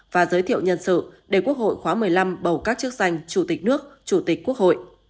và giới thiệu nhân sự để quốc hội khóa một mươi năm bầu các chức danh chủ tịch nước chủ tịch quốc hội